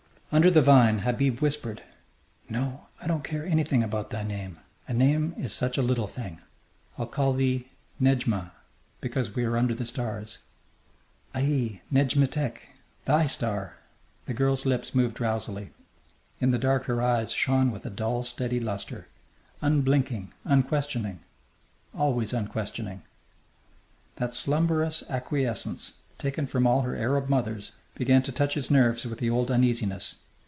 Under the vine Habib whispered: "No, I don't care anything about thy name. A name is such a little thing. I'll call thee 'Nedjma,' because we are under the stars." "Ai, Nedjmetek 'Thy Star'!" The girl's lips moved drowsily. In the dark her eyes shone with a dull, steady lustre, unblinking, unquestioning, always unquestioning. That slumberous acquiescence, taken from all her Arab mothers, began to touch his nerves with the old uneasiness.